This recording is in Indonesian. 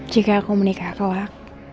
jika aku menikah kelak